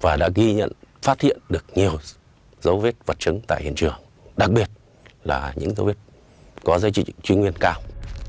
và đã ghi nhận phát hiện được nhiều dấu vết vật chứng tại hiện trường đặc biệt là những dấu vết có dây trị nguyên cao